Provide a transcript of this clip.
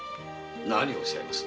何をおっしゃいます。